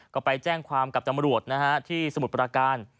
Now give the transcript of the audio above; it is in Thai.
ก็ไปแจ้งความกับตำรวจนะฮะที่สมุทรประการ